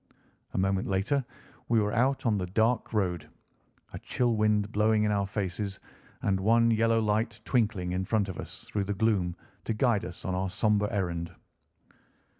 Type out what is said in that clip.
A moment later we were out on the dark road, a chill wind blowing in our faces, and one yellow light twinkling in front of us through the gloom to guide us on our sombre errand.